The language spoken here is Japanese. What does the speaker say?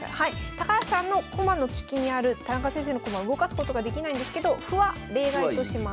高橋さんの駒の利きにある田中先生の駒動かすことができないんですけど歩は例外とします。